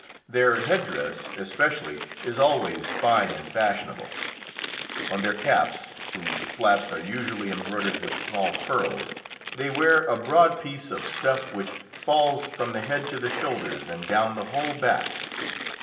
Their head dress especially is always fine and fashionable. On their caps, whose flaps are usually embroidered with small pearls, they wear a broad piece of stuff which falls from the head to the shoulders and down the whole back.